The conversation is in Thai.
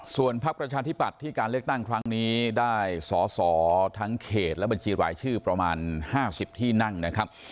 ส่วนพักประชาธิบัติที่การเลือกตั้งครั้งนี้ได้สอสอทั้งเขตและบัญชีรายชื่อประมาณ๕๐ที่นั่งนะครับ